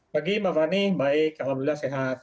pagi mbak fani baik alhamdulillah sehat